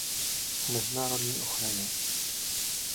O mezinárodní ochraně.